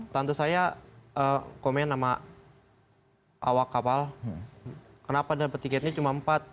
tante saya komen sama awak kapal kenapa dapat tiketnya cuma empat